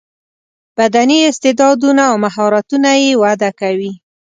بدني استعداونه او مهارتونه یې وده کوي.